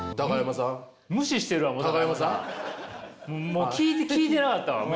もう聞いてなかったわ。